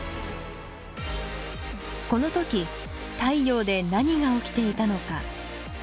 この時太陽で何が起きていたのか？